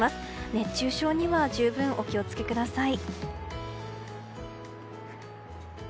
熱中症には十分、お気を付けください。